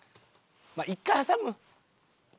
まあ一回挟む？